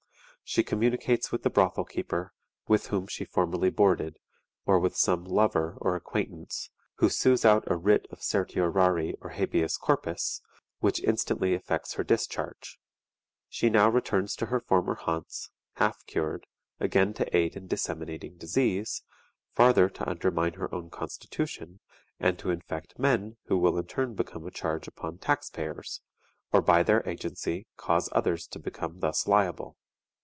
She communicates with the brothel keeper with whom she formerly boarded, or with some "lover" or acquaintance, who sues out a writ of certiorari or habeas corpus, which instantly effects her discharge. She now returns to her former haunts, half cured, again to aid in disseminating disease, farther to undermine her own constitution, and to infect men who will in turn become a charge upon the tax payers, or by their agency cause others to become thus liable.